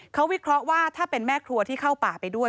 เขาวิเคราะห์ว่าถ้าเป็นแม่ครัวที่เข้าป่าไปด้วย